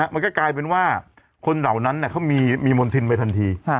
มันก็กลายเป็นว่าคนเหล่านั้นเขามีมณฑินไปทันที